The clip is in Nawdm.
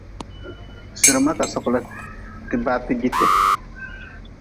Sirma ka sokla tibaati jiti.